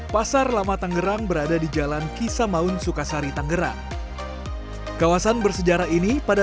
pasar lama tangerang berada di jalan kisah maun sukasari tangerang kawasan bersejarah ini pada